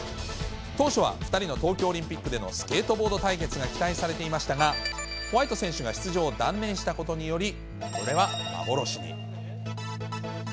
当初は２人の東京オリンピックでのスケートボード対決が期待されていましたが、ホワイト選手が出場を断念したことにより、これは幻に。